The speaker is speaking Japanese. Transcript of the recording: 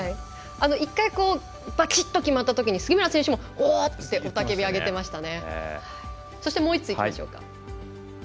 １回バシッと決まったときに杉村選手もおお！って雄たけびを上げていましたね。